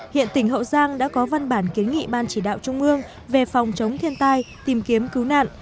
hiện tỉnh hậu giang đã có văn bản kiến nghị ban chỉ đạo trung ương về phòng chống thiên tai tìm kiếm cứu nạn